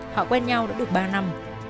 họ quen nhau đã được ba năm